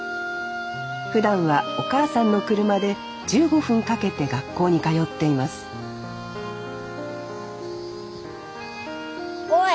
ふだんはお母さんの車で１５分かけて学校に通っていますおい！